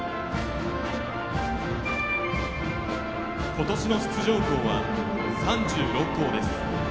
今年の出場校は３６校です。